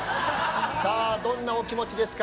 さあどんなお気持ちですか？